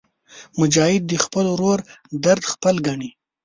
مجاهد د خپل ورور درد خپل ګڼي.